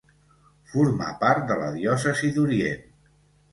Formà part de la diòcesi d'Orient.